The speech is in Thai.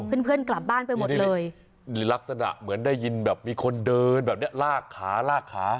เพื่อนเพื่อนกลับบ้านไปหมดเลยนี่ลักษณะเหมือนได้ยินแบบมีคนเดินแบบเนี้ยลากขาลากขา